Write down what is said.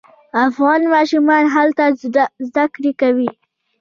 افغان ماشومان هلته زده کړې کوي.